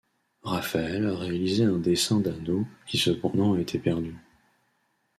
Raphaël a réalisé un dessin d'Hanno qui cependant a été perdu.